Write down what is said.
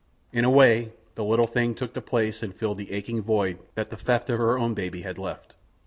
In a way the little thing took the place and filled the aching void that the theft of her own baby had left.